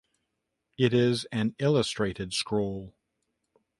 It is an illustrated scroll.